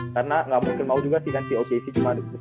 karena ga mungkin mau juga sih kan si okc cuma di trade sama kc